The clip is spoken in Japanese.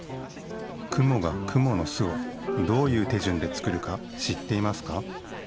くもがくものすをどういうてじゅんでつくるかしっていますか？